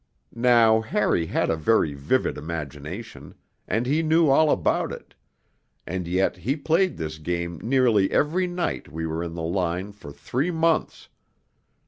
Now Harry had a very vivid imagination, and he knew all about it and yet he played this game nearly every night we were in the line for three months